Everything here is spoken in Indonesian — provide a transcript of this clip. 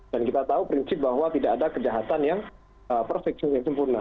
dan kita tahu prinsip bahwa tidak ada kejahatan yang perfeksi yang sempurna